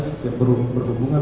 setiap berhubungan dengan